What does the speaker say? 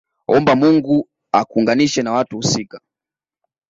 Omba Mungu akuunganishe na watu husika